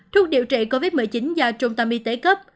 thuốc điều trị covid một mươi chín do trung tâm y tế cấp